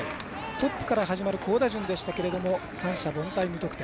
トップから始まる好打順でしたけれど三者凡退、無得点。